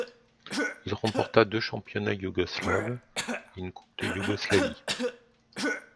Il remporta deux championnats yougoslaves et une coupe de Yougoslavie.